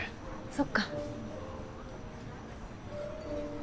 そっか。